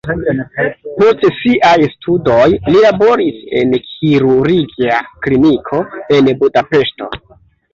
Post siaj studoj li laboris en kirurgia kliniko en Budapeŝto.